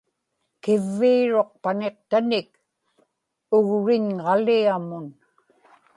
kivviiruq paniqtanik ugriñġaliamun